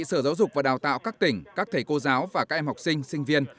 sở giáo dục và đào tạo các tỉnh các thầy cô giáo và các em học sinh sinh viên